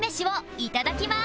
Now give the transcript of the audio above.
いただきます。